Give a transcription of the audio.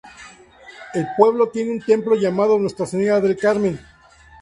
El pueblo tiene un templo llamado Nuestra Señora del Carmen.